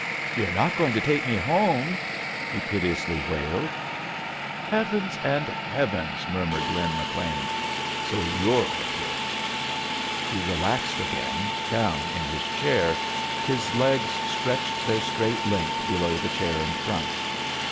"You're not going to take me home?" he piteously wailed. "Heavens and heavens !" murmured Lin McLean. "So yu're iier kid!" He relaxed again, down in his chair, his legs stretched their straight length below the chair in frcnt.